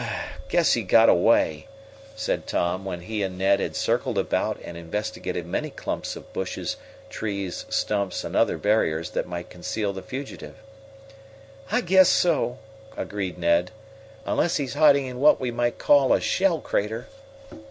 "Guess he got away," said Tom, when he and Ned had circled about and investigated many clumps of bushes, trees, stumps and other barriers that might conceal the fugitive. "I guess so," agreed Ned. "Unless he's hiding in what we might call a shell crater."